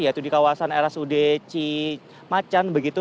yaitu di kawasan rsud cimacan begitu